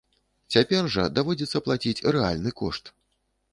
Цяпер жа даводзіцца плаціць рэальны кошт.